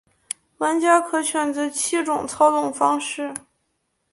玩家可选择七种操纵方式。